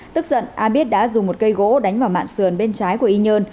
tức giận a biết đã dùng một cây gỗ đánh vào mạng sườn bên trái của y nhơn